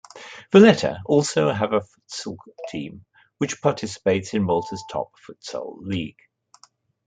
Valletta also have a futsal team which participates in Malta's top futsal league.